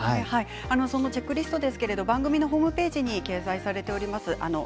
チェックリストは番組のホームページでも掲載されています。